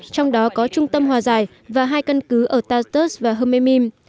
trong đó có trung tâm hòa giải và hai cân cứ ở tartus và hmeymim